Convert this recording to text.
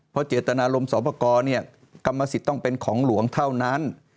เพราะเจตนารมณสอบประกอบกรรมสิทธิ์ต้องเป็นของหลวงเท่านั้น